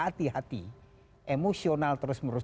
hati hati emosional terus menerus